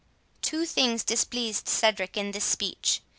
Two things displeased Cedric in this speech.